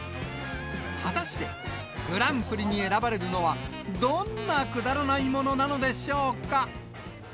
果たして、グランプリに選ばれるのは、どんなくだらないものなのでしょうか。